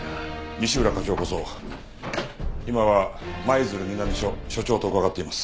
西浦課長こそ今は舞鶴南署署長と伺っています。